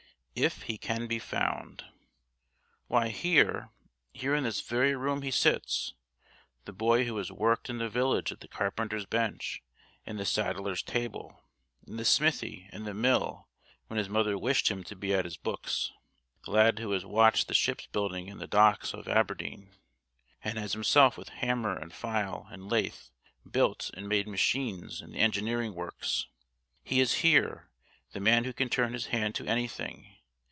"If he can be found." Why here, here in this very room he sits the boy who has worked in the village at the carpenter's bench and the saddler's table, in the smithy and the mill, when his mother wished him to be at his books; the lad who has watched the ships building in the docks of Aberdeen, and has himself with hammer and file and lathe built and made machines in the engineering works he is here the "man who can turn his hand to anything."